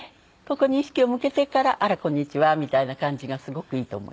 ここに意識を向けてから「あらこんにちは」みたいな感じがすごくいいと思います。